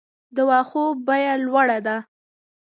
د واښو بیه لوړه ده؟